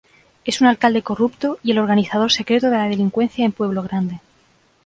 Es un alcalde corrupto y el organizador secreto de la delincuencia en Pueblo Grande.